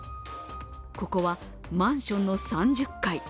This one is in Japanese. ここはマンションの３０階。